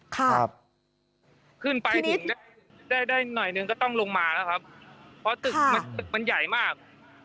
ขึ้นไปถึงได้หน่อยนึงก็ต้องลงมาพอตึกมันใหญ่มาก